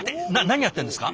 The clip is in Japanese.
何やってんですか？